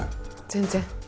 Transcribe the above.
全然。